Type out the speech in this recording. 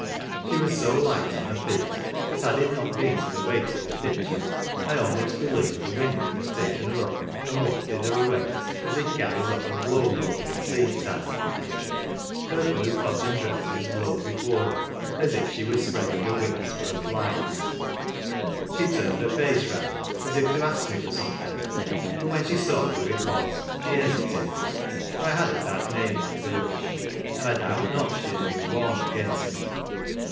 She was so light on her feet that, had it not been for the weight of the pitcher, I almost believe the wind would have taken her up, and wafted her away as it carries off a blow ball in seed time ; her blue cotton dress was blown before her, as if she were spreading her wings for a flight ; she turned her face round, as if to ask me for something, but when she saw who it was she hesitated, for I had a bad name in the village, and I doubt not she had been warned against me.